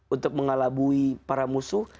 untuk mengalabui para musuh